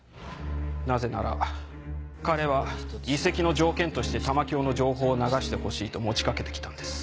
なぜなら彼は移籍の条件として玉響の情報を流してほしいと持ちかけてきたんです。